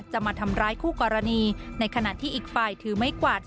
จะมาทำร้ายคู่กรณีในขณะที่อีกฝ่ายถือไม้กวาด